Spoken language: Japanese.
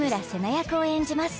役を演じます